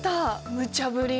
むちゃぶり！